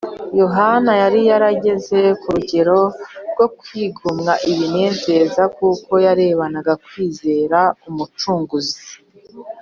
Yohana yari yarageze ku rugero rwo kwigomwa ibimunezeza, kuko yarebanaga kwizera Umucunguzi